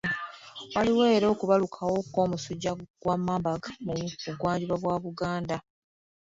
Waaliwo era okubalukawo kw'omusujja gwa marburg mu bugwanjuba bwa Uganda.